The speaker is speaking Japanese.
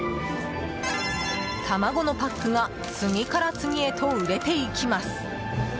卵のパックが次から次へと売れていきます。